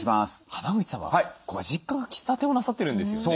濱口さんはご実家が喫茶店をなさってるんですよね。